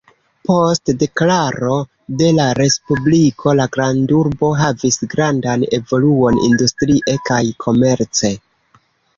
Post deklaro de la respubliko la grandurbo havis grandan evoluon industrie kaj komerce.